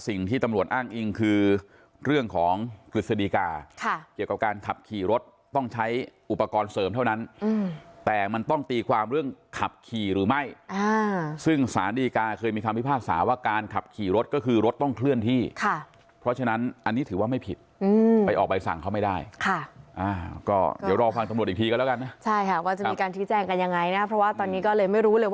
ส่วนอ้างอิงคือเรื่องของกฤษฎีกาเกี่ยวกับการขับขี่รถต้องใช้อุปกรณ์เสริมเท่านั้นแต่มันต้องตีความเรื่องขับขี่หรือไม่ซึ่งสารดีกาเคยมีความพิพาสาว่าการขับขี่รถก็คือรถต้องเคลื่อนที่เพราะฉะนั้นอันนี้ถือว่าไม่ผิดไปออกไปสั่งเขาไม่ได้ค่ะก็เดี๋ยวรอฟังจำรวจอีกทีกันแล้วกันใช่ค่ะว